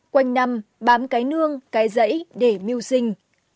quanh năm bám cái nương cái giấy để mưu sinh